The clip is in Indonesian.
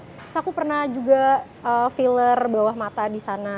terus aku pernah juga filler bawah mata di sana